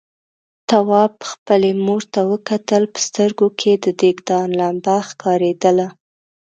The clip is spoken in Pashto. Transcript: تواب خپلې مور ته وکتل، په سترګوکې يې د دېګدان لمبه ښکارېدله.